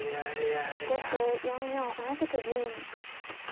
後手４四同じく銀。